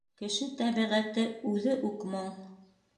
Кеше тәбиғәте үҙе үк моң.